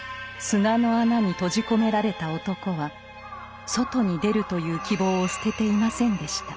砂の穴に閉じ込められた男は外に出るという希望を捨てていませんでした。